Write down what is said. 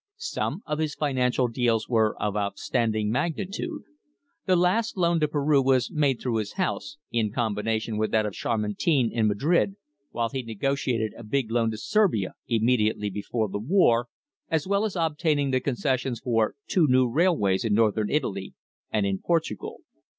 "Some of his financial deals were of outstanding magnitude. The last loan to Peru was made through his house, in combination with that of Chamartin, in Madrid, while he negotiated a big loan to Serbia immediately before the war, as well as obtaining the concessions for two new railways in Northern Italy and in Portugal.